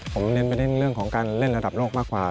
ผมเน้นไปในเรื่องของการเล่นระดับโลกมากกว่า